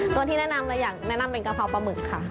ส่วนที่แนะนำเราอยากแนะนำเป็นกะเพราปลาหมึกค่ะ